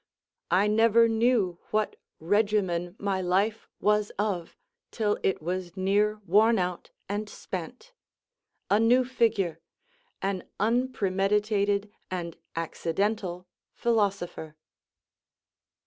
I never knew what regimen my life was of till it was near worn out and spent; a new figure an unpremeditated and accidental philosopher.